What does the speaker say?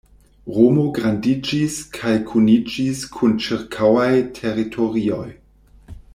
Romo grandiĝis kaj kuniĝis kun ĉirkaŭaj teritorioj.